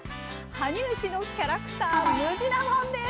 羽生市のキャラクタームジナもんです。